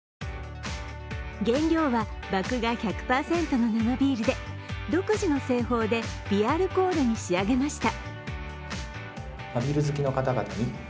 原料は麦芽１００％の生ビールで独自の製法で微アルコールに仕上げました。